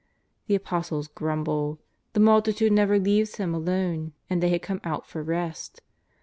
The Apostles grumble. The multitude never leaves Him alone, and they had come out for rest.